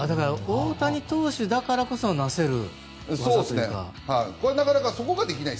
大谷投手だからこそなせる感じというか。